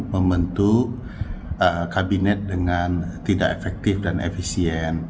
membentuk kabinet dengan tidak efektif dan efisien